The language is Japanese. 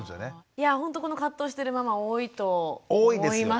いやほんとこの葛藤してるママ多いと思いますよね。